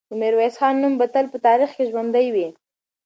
د میرویس خان نوم به تل په تاریخ کې ژوندی وي.